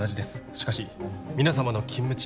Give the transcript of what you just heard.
しかし皆様の勤務地